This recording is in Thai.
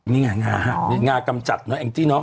นี่ไงงาหักงากำจัดเนอะเอ็งจี้เนอะ